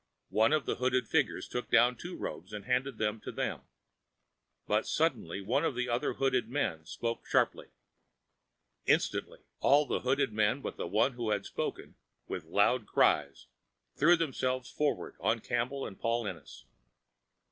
One of the hooded figures took down two robes and handed them to them. But suddenly one of the other hooded men spoke sharply. Instantly all the hooded men but the one who had spoken, with loud cries, threw themselves forward on Campbell and Paul Ennis.